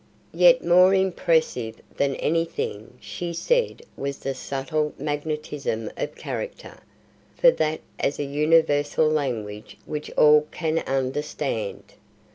Yet more impressive than any thing she said was the subtle magnetism of character, for that has a universal language which all can understand.